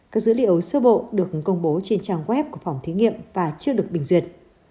các dữ liệu sơ bộ được công bố trên trang web của phòng thí nghiệm và chưa được bình duyệt